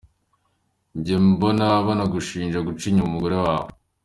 Njya mbona banagushinja guca inyuma umugore wawe?.